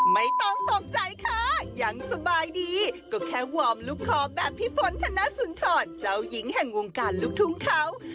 ไม่ต้องตกใจค่ะยังสบายดีก็แค่วอร์มลูกคอแบบพี่ฝนธนสุนทรเจ้าหญิงแห่งวงการลูกทุ่งเขา